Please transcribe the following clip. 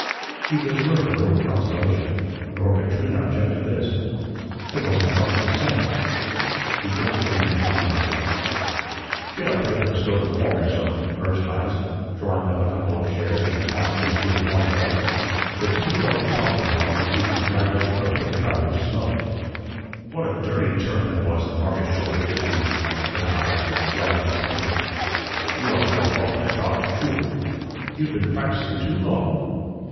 He deserved a little consolation. Nor could Trina object to this. It wasn't costing a cent. He drank again with Heise. "Get up here to the stove and warm yourself," urged Heise, drawing up a couple of chairs and cocking his feet upon the guard. The two fell to talking while McTeague's draggled coat and trousers smoked. "What a dirty turn that was that Marcus Schouler did you!" said Heise, wagging his head. "You ought to have fought that, Doc, sure. You'd been practising too long."